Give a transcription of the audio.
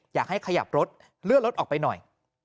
อยากให้ขยับรถเลื่อนรถออกไปหน่อย